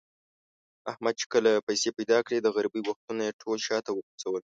احمد چې کله پیسې پیدا کړلې، د غریبۍ وختونه یې ټول شاته و غورځول.